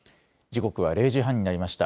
時刻は０時半になりました。